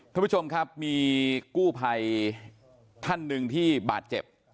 ท่านผู้ชมครับมีกู้ภัยท่านหนึ่งที่บาดเจ็บ